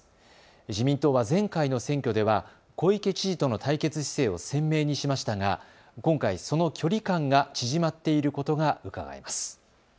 自民党は前回の選挙では小池知事との対決姿勢を鮮明にしましたが、今回その距離感が縮まっていることがうかがえます。